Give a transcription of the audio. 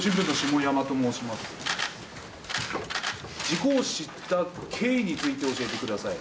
事故を知った経緯について教えてください。